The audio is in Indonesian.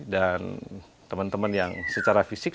dan teman teman yang secara fisikal